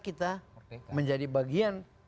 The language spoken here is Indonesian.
kita menjadi bagian